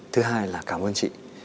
thứ hai là cảm ơn chị